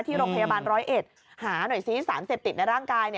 ที่โรงพยาบาลร้อยเอ็ดหาหน่อยซิสารเสพติดในร่างกาย